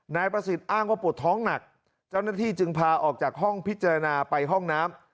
นายประสิทธิ์อ้างว่าปวดท้องหนักเจ้าหน้าที่จึงพาออกจากห้องพิจารณาไปห้องน้ำ